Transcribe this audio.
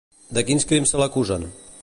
De quins crims se l'acusen?